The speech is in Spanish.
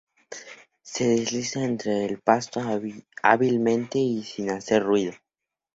Se desliza entre el pasto hábilmente y sin hacer ruido.